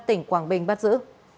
tỉnh quảng bình bắt giữ